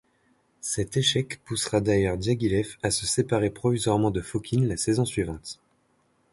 Cet échec poussera d'ailleurs Diaghilev à se séparer provisoirement de Fokine la saison suivante.